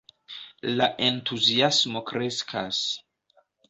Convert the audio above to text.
La entuziasmo kreskas.